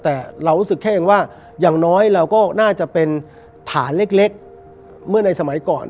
แต่เรารู้สึกแค่เองว่าอย่างน้อยเราก็น่าจะเป็นฐานเล็กเมื่อในสมัยก่อน